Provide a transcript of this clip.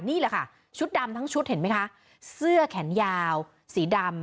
นี่แหละค่ะชุดดำทั้งชุดเห็นไหมคะเสื้อแขนยาวสีดำ